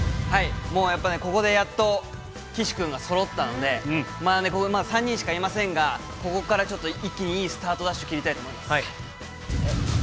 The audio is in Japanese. もうやっぱり、ここでやっと、岸君がそろったので、ここ、３人しかいませんが、ここからちょっと一気にいいスタートダッシュ、切りたいと思いま